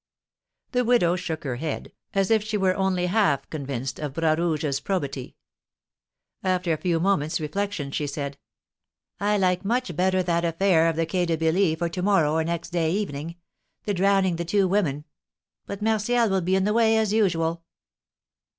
The widow shook her head, as if she were only half convinced of Bras Rouge's probity. After a few moments' reflection she said: "I like much better that affair of the Quai de Billy for to morrow or next day evening, the drowning the two women. But Martial will be in the way as usual."